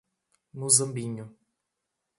Muzambinho